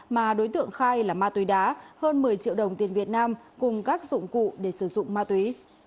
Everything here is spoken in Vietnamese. mà đối tượng khai là ma túy đá hơn một mươi triệu đồng tiền việt nam cùng các dụng cụ để sử dụng ma túy